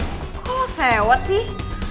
kok lo sewat sih